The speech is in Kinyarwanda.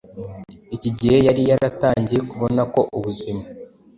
iki gihe yari yaratangiye kubona ko ubuzima